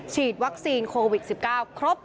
ฉีดวัคซีนโควิด๑๙ครบ